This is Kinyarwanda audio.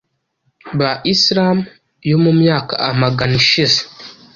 ba Islam yo mu myaka amagana ishize,